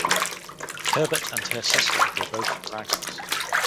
Herbert and her sister were both writers.